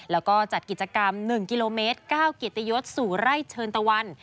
แล้วก็จัดกิจกรรม๑กิโลเมตร๙กิตยศสู่ไร่เชิญตะวัน